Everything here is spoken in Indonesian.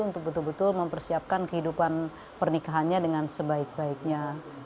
untuk betul betul mempersiapkan kehidupan pernikahannya dengan sebaik baiknya